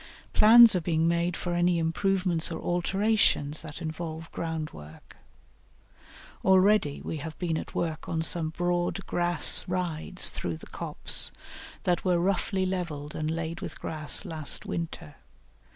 Plans are being made for any improvements or alterations that involve ground work. Already we have been at work on some broad grass rides through the copse that were roughly levelled and laid with grass last winter.